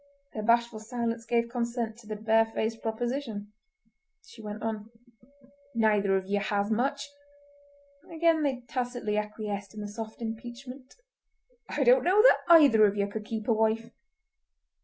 Their bashful silence gave consent to the barefaced proposition. She went on. "Neither of ye has much!" Again they tacitly acquiesced in the soft impeachment. "I don't know that either of ye could keep a wife!"